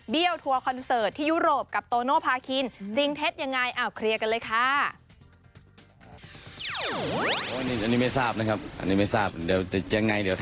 เบี้ยวทัวร์คอนเสิร์ตที่ยุโรปกับโตโนภาคิน